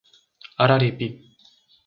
Araripe